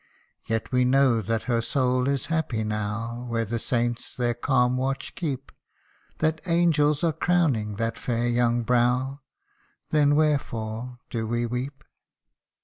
Yet we know that her soul is happy now, Where the saints their calm watch keep ; That angels are crowning that fair young brow Then wherefore do we weep